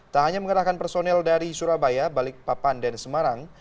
tak hanya mengerahkan personel dari surabaya balikpapan dan semarang